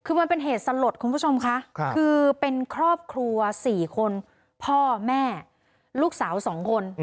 คือมันเป็นเหตุสลดคุณผู้ชมค่ะคือเป็นครอบครัว๔คนพ่อแม่ลูกสาว๒คน